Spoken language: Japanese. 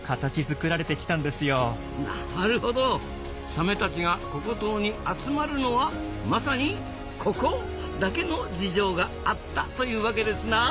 サメたちがココ島に集まるのはまさにココだけの事情があったというわけですな。